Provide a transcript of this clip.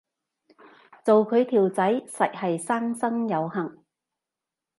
做佢條仔實係三生有幸